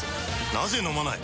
なぜ飲まない？